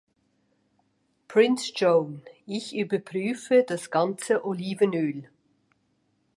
Prinz John: Ich überprüfe das ganze Olivenöl!